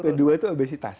yang tipe dua itu obesitas